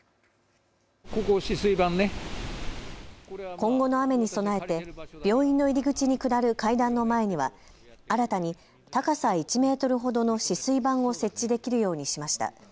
今後の雨に備えて病院の入り口に下る階段の前には新たに高さ１メートルほどの止水板を設置できるようにしました。